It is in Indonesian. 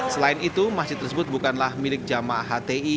selain itu masjid tersebut bukanlah milik jamaah hti